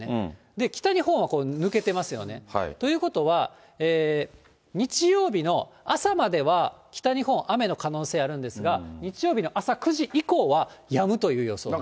で、北日本は抜けてますよね。ということは、日曜日の朝までは北日本、雨の可能性あるんですが、日曜日の朝９時以降はやむという予想なんです。